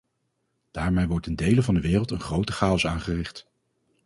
Daarmee wordt in delen van de wereld een grote chaos aangericht.